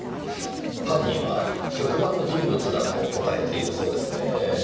犯人は職場の人物だと答えているそうですねぇ。